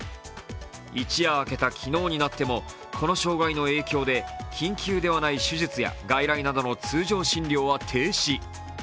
一夜明けた昨日になってもこの障害の影響で緊急ではない手術や外来などの通常診療は停止。